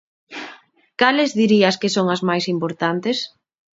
Cales dirías que son as máis importantes?